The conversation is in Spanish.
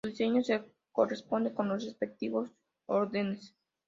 Su diseño se corresponde con los respectivos órdenes.